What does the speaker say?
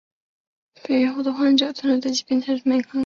病愈后的患者通常对该疾病会产生免疫抗性。